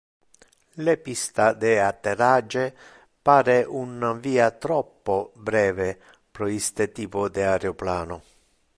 Le pista de atterrage pare un via troppo breve pro iste typo de aeroplano.